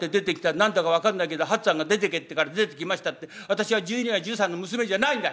『何だか分かんないけど八つぁんが出てけってから出てきました』って私は１２や１３の娘じゃないんだよ」。